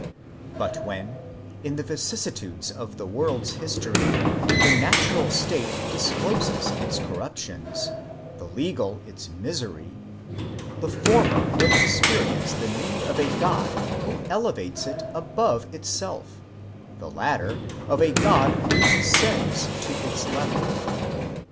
But when, in the vicissitudes of the world's history, the natural state discloses its corruptions, the legal its misery ; the former will experience the need of a God who elevates it above itself, the latter, of a God who descends to its level.